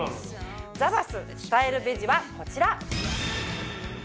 「ザバススタイルベジ」はこちら。